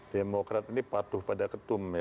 demokrat ini patuh pada ketum